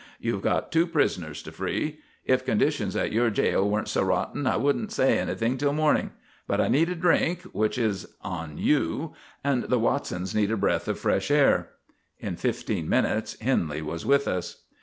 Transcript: You've got two prisoners to free. If conditions at your jail weren't so rotten I wouldn't say anything till morning. But I need a drink, which is on you, and the Watsons need a breath of fresh air." In fifteen minutes Henley was with us.